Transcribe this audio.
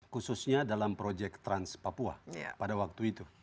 khususnya dalam proyek trans papua pada waktu itu